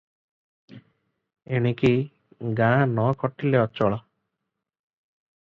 ଏଣିକି ଗାଁ ନ ଖଟିଲେ ଅଚଳ ।